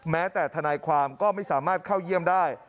แม้แต่ทนายความก็ไม่สามารถเข้าเยี่ยมได้